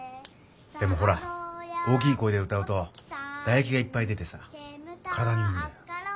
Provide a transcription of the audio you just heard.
でもほら大きい声で歌うとだえきがいっぱい出てさ体にいいんだよ。